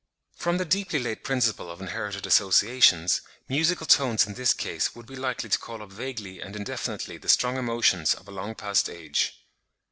From the deeply laid principle of inherited associations, musical tones in this case would be likely to call up vaguely and indefinitely the strong emotions of a long past age.